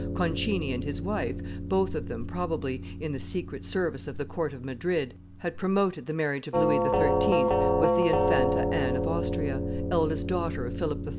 Concini and his wife, both of them, probably, in the secret service of the court of Madrid, had promoted the marriage of Louis XIII. with the Infanta Anne of Austria, eldest daughter of Philip III.